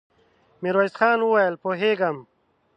ميرويس خان وويل: پوهېږم.